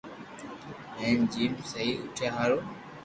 ھي ھين ھمي اوٺيا ھارو